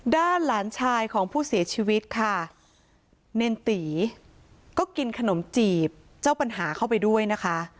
ด้านหลานชายของผู้เสียชีวิตค่ะเนรตีก็กินขนมจีบเจ้าปัญหาเข้าไปด้วยนะคะ